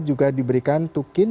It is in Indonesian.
dan juga diberikan tukin